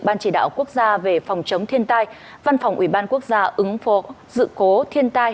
ban chỉ đạo quốc gia về phòng chống thiên tai văn phòng ủy ban quốc gia ứng phó sự cố thiên tai